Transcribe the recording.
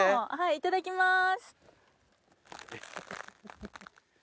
いただきます。